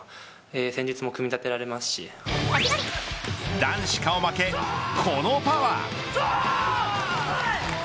男子顔負け、このパワー。